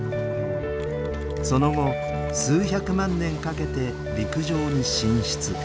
その後数百万年かけて陸上に進出。